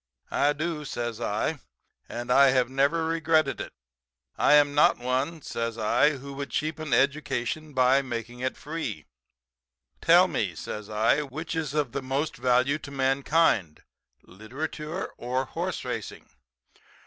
"'I do,' says I, 'and I have never regretted it. I am not one,' says I, 'who would cheapen education by making it free. Tell me,' says I, 'which is of the most value to mankind, literature or horse racing?'